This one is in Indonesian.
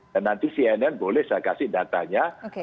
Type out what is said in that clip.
dan nanti cnn boleh saya kasih datanya